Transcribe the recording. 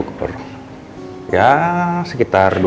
ya sekitar dua tiga hari dia ngabarin katanya